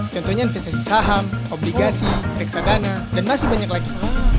contohnya investasi saham obligasi reksadana dan masih banyak lagi